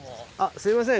すみません。